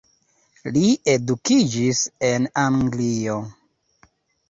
Li edukiĝis en Anglio.